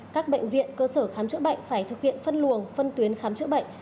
các bệnh viện cơ sở khám chữa bệnh phải thực hiện phân luồng phân tuyến khám chữa bệnh